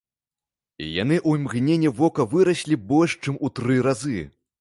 І яны ў імгненне вока выраслі больш чым у тры разы.